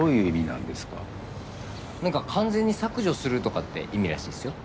なんか「完全に削除する」とかって意味らしいですよ。